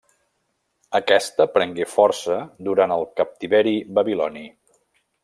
Aquesta prengué força durant el captiveri Babiloni.